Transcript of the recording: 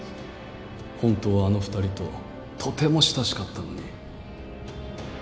ホントはあの２人ととても親しかったのに。